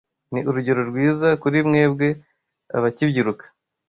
Ni urugero rwiza kuri mwebwe abakibyiruka